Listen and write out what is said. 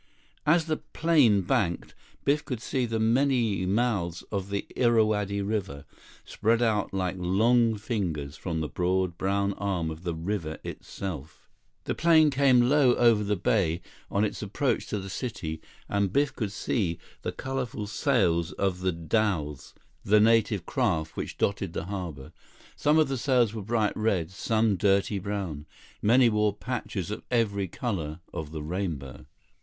As the plane banked, Biff could see the many mouths of the Irrawaddy River, spread out like long fingers from the broad, brown arm of the river itself. 27 The plane came low over the bay on its approach to the city, and Biff could see the colorful sails of the dhows, the native craft which dotted the harbor. Some of the sails were bright red, some dirty brown. Many wore patches of every color of the rainbow.